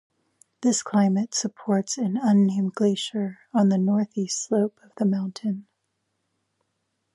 This climate supports an unnamed glacier on the northeast slope of the mountain.